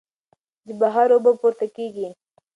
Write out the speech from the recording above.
د بحر اوبه پورته کېږي.